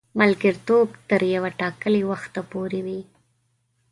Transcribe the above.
ملګرتوب تر یوه ټاکلي وخته پوري وي.